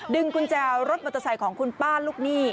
ดึงกุญแจรถมัตตาใสของคุณป้าลูกหนี้